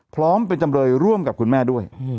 พร้อมเป็นจำเลยร่วมกับคุณแม่ด้วย